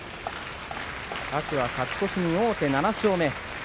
天空海、勝ち越しに王手、７勝目。